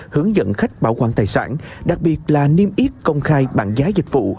hướng dẫn khách bảo quản tài sản đặc biệt là niêm yết công khai bảng giá dịch vụ